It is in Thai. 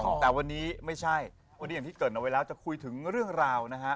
แจ๊คจิลวันนี้เขาสองคนไม่ได้มามูเรื่องกุมาทองอย่างเดียวแต่ว่าจะมาเล่าเรื่องประสบการณ์นะครับ